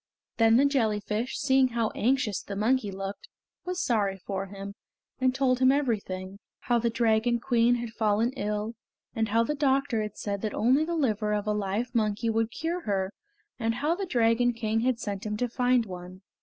Then the jellyfish, seeing how anxious the monkey looked, was sorry for him, and told everything. How the Dragon Queen had fallen ill, and how the doctor had said that only the liver of a live monkey would cure her, and how the Dragon King had sent him to find one.